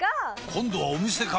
今度はお店か！